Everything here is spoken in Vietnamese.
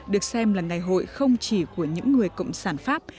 được xem là ngày hội không chỉ của những người cộng sản pháp